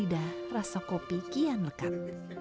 lidah rasa kopi kian lekat